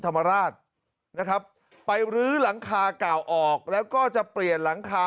ธรรมราชนะครับไปรื้อหลังคาเก่าออกแล้วก็จะเปลี่ยนหลังคา